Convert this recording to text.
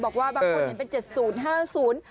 บอกว่าบางคนเห็นเป็น๗๐๕๐